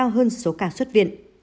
hơn số ca xuất viện